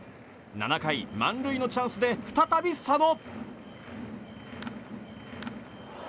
７回、満塁のチャンスで再び、佐野。